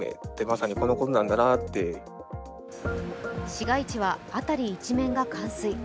市街地は辺り一面が冠水。